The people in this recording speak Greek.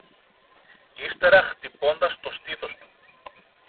Ύστερα χτυπώντας το στήθος του